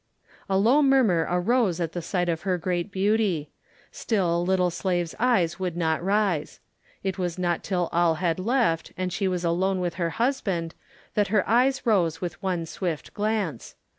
A low murmur arose at the sight of her great beauty. Still little Slave's eyes would not rise. It was not till all had left and she was alone with her husband that her eyes rose with one swift glance.